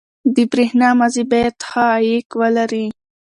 • د برېښنا مزي باید ښه عایق ولري.